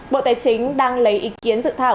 bộ tài chính đang lấy ý kiến dự thảo